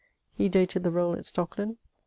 He dated the rolle at Stockland.